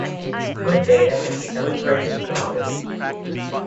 Good data has become a precious commodity.